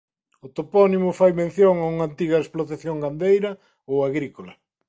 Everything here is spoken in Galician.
O topónimo fai mención a unha antiga explotación gandeira ou agrícola.